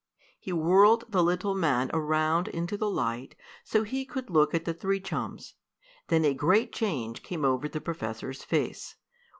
He whirled the little man around into the light so he could look at the three chums. Then a great change came over the professor's face.